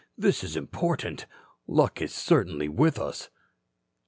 "This is important. Luck is certainly with us."